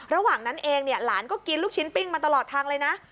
ระหว่างนั้นเองเนี่ยหลานก็กินลูกชิ้นปิ้งมาตลอดทางเลยนะ